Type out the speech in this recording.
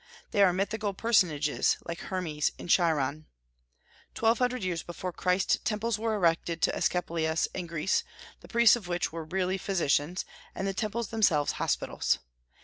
They are mythical personages, like Hermes and Chiron. Twelve hundred years before Christ temples were erected to Aesculapius in Greece, the priests of which were really physicians, and the temples themselves hospitals.